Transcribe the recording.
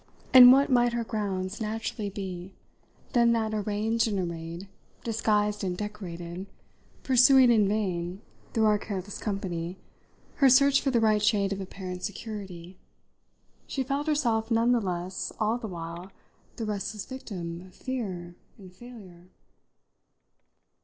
And what might her grounds more naturally be than that, arranged and arrayed, disguised and decorated, pursuing in vain, through our careless company, her search for the right shade of apparent security, she felt herself none the less all the while the restless victim of fear and failure?